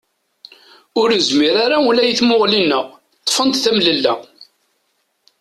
Ur nezmir ara ula i tmuɣli-nneɣ, ṭṭfent temlella.